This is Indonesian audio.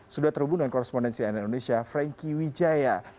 sudah terhubung dengan korrespondensi indonesia franky wijaya